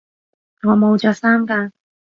我冇着衫㗎